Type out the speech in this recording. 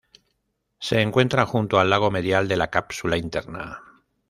Se encuentra junto al lado medial de la cápsula interna.